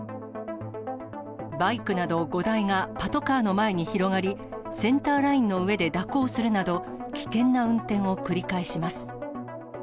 バイクなど５台がパトカーの前に広がり、センターラインの上で蛇行するなど、危険な運転を繰り返します。